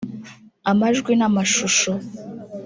amajwi n’amashusho